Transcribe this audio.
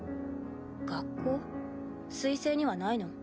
水星にはないの？